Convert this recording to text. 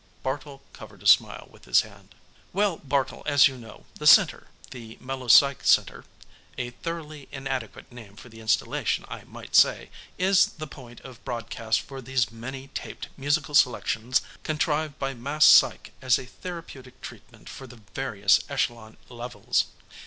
Bartle covered a smile with his hand. "Well, Bartle, as you know, the Center the Melopsych Center, a thoroughly inadequate name for the installation I might say is the point of broadcast for these many taped musical selections contrived by Mass Psych as a therapeutic treatment for the various Echelon levels.